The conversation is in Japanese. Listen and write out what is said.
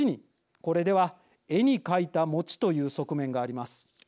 これでは「絵に描いた餅」という側面があります。